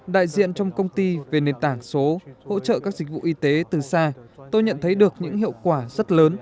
đại diện trong công ty về nền tảng số hỗ trợ các dịch vụ y tế từ xa tôi nhận thấy được những hiệu quả rất lớn